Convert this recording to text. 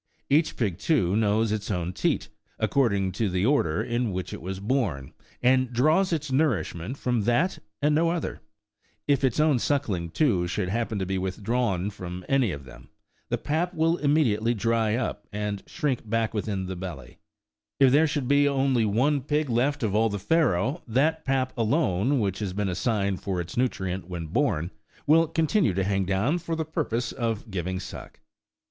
Each pig, too, knows its own teat, according to the order in which it was born, and draws its nourishment from that and no other : if its own suckling, too, should happen to be withdrawn from any one of them, the pap will immediately dry up, and shrink back within the belly : if there should be only one pig left of all the farrow, that pap alone which has been assigned for its nutriment when born, will continue to hang down for the purpose of giving suck.